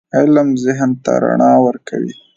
علم ذهن ته رڼا ورکوي.